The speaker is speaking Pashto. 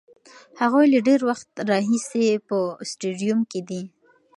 هغوی له ډېر وخته راهیسې په سټډیوم کې دي.